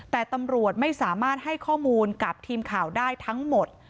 แต่ตำรวจไม่สามารถให้ข้อมูลกับทีมข่าวได้ทั้งหมด